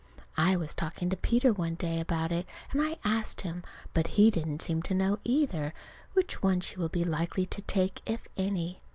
I was talking to Peter one day about it, and I asked him. But he didn't seem to know, either, which one she will be likely to take, if any.